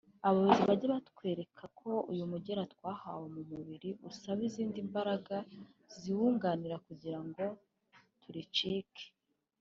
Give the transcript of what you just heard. abayobozi…bajye batwereka ko uyu mugera twahawe mu mubiri usaba izindi mbaraga zitwunganira kugira ngo turicike